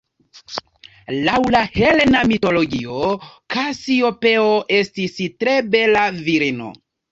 Laŭ la helena mitologio Kasiopeo estis tre bela virino.